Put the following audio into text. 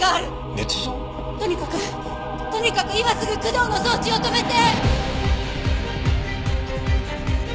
とにかくとにかく今すぐ工藤の送致を止めて！